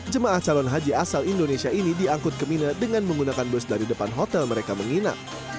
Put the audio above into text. jemaah calon haji asal indonesia ini diangkut ke mina dengan menggunakan bus dari depan hotel mereka menginap